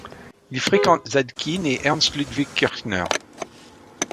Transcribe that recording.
Il fréquente Zadkine et Ernst Ludwig Kirchner.